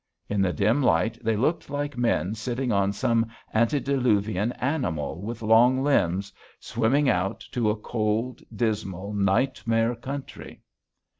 In the dim light they looked like men sitting on some antediluvian animal with long limbs, swimming out to a cold dismal nightmare country.